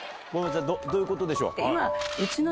どういうことでしょう？